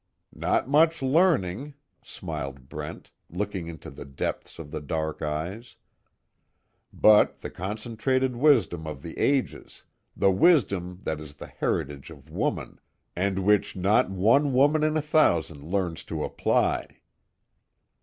"Not much learning," smiled Brent, looking into the depths of the dark eyes, "But the concentrated wisdom of the ages the wisdom that is the heritage of woman, and which not one woman in a thousand learns to apply."